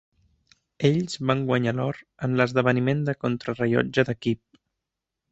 Ells van guanyar l'or en l'esdeveniment de contrarellotge d'equip.